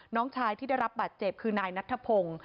น้องชายที่ได้รับบาดเจ็บคือนายนัทธพงศ์